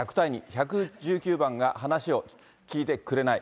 １１９番が話を聞いてくれない？